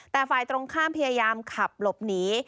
แต่ฝ่ายตรงข้ามพยายามขับหลบหนี